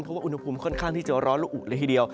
เพราะว่าอุณหภูมิค่อนข้างที่จะร้อนและอุเลยทีเดียว